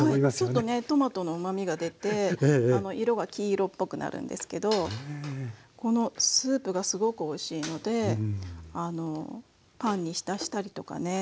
ちょっとねトマトのうまみが出て色が黄色っぽくなるんですけどこのスープがすごくおいしいのでパンに浸したりとかね